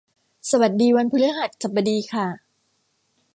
สวัสดีวันพฤหัสบดีค่ะ